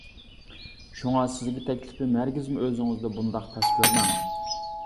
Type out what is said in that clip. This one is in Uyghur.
شۇڭا سىزگە تەكلىپىم ھەرگىزمۇ ئۆزىڭىزنى بۇنداق پەس كۆرمەڭ.